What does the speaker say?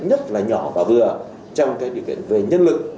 nhất là nhỏ và vừa trong cái điều kiện về nhân lực